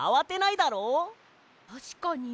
たしかに。